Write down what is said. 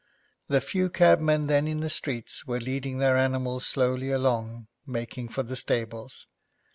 The few cabmen then in the streets were leading their animals slowly along, making for their stables.